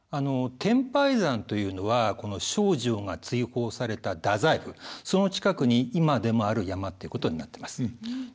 天拝山というのはこの丞相が追放された太宰府その近くに今でもある山っていうことになってます。